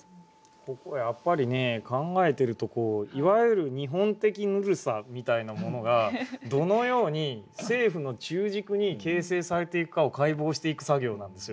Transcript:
僕はやっぱりね考えてるといわゆる日本的ぬるさみたいなものがどのように政府の中軸に形成されていくかを解剖していく作業なんですよ。